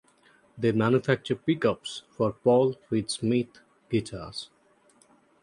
They manufacture pickups for Paul Reed Smith guitars.